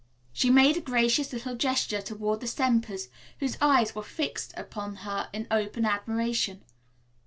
She made a gracious little gesture toward the Sempers, whose eyes were fixed upon her in open admiration.